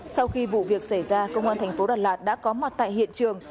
sau khi vụ việc xảy ra công an tp đà lạt đã có mặt tại hiện trường